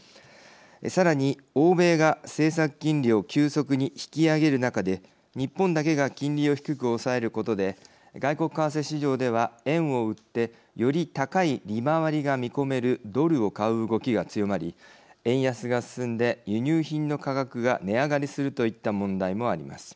さらに欧米が政策金利を急速に引き上げる中で日本だけが金利を低く抑えることで外国為替市場では円を売ってより高い利回りが見込めるドルを買う動きが強まり円安が進んで輸入品の価格が値上がりするといった問題もあります。